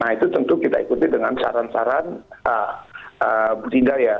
nah itu tentu kita ikuti dengan saran saran budidaya